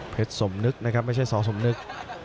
สมนึกนะครับไม่ใช่สอสมนึก